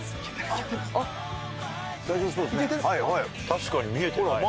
確かに見えてない。